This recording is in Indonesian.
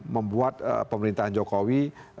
membuat pemerintahan jokowi